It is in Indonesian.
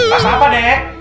rasa apa dek